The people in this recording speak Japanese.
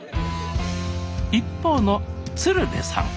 一方の鶴瓶さん